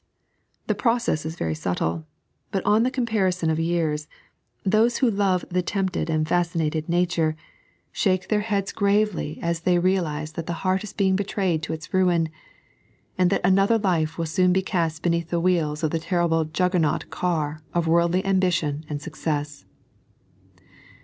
The process is very subtle ; but, on the comparison of years, those who love the tempted and fascinated nature, 3.n.iized by Google Frra Tests. 139 shake their heads gravely as they realize that the heart is being betrayed to its ruin, and that another life will soon be cast beneath the wheels of the terrible Juggernaut Car of worldly ambition and success.